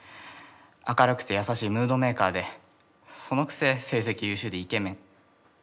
明るくて優しいムードメーカーでそのくせ成績優秀でイケメン。